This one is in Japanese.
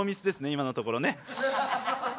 今のところね。